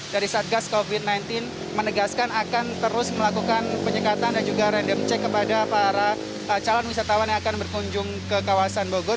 dari satgas covid sembilan belas menegaskan akan terus melakukan penyekatan dan juga random check kepada para calon wisatawan yang akan berkunjung ke kawasan bogor